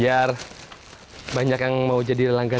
biar banyak yang mau jadi langganan